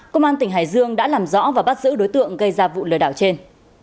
công an tỉnh hải dương đã làm rõ và bắt giữ đối tượng gây ra vụ lừa đảo trên